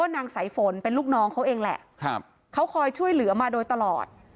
นางสายฝนเป็นลูกน้องเขาเองแหละเขาคอยช่วยเหลือมาโดยตลอด